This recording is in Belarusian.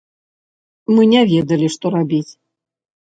Мы не ведалі, што рабіць.